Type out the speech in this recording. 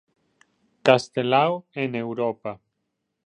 Castelao en Europa.